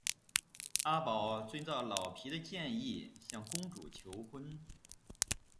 阿宝遵照老皮的建议向公主求婚。